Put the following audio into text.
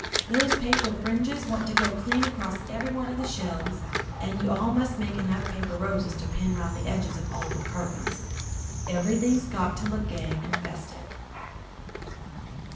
"Those paper fringes want to go clean across every one of the shelves, and you all must make enough paper roses to pin 'round the edges of all the curtains. Ever'thing's got to look gay and festive."